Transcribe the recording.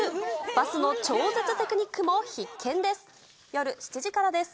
バスの超絶テクニックも必見です。